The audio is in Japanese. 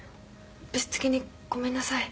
ぶしつけにごめんなさい。